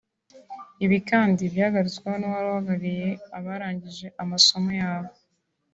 Ibi kandi byagarutsweho n’uwari uhagarariye abarangije amasomo yabo